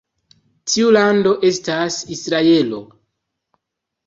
Tiu lando estas Israelo.